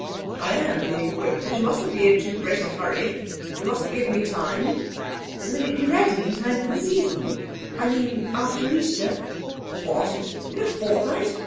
'I am being quick; but you mustn't be in too great a hurry; you must give me time.' 'Will it be ready in time for the season I mean after Easter?' 'What! in a fortnight?